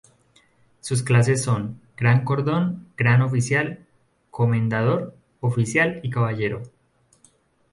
Sus clases son: Gran cordón, gran oficial, comendador, oficial y caballero.